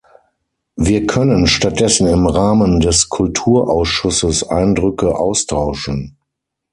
Wir können statt dessen im Rahmen des Kulturausschusses Eindrücke austauschen.